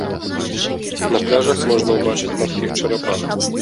На пляжах можна ўбачыць марскіх чарапах.